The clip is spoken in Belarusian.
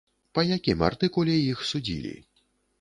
Па якім артыкуле іх судзілі?